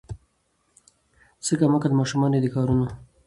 څه کم عقل ماشومان دي د ښارونو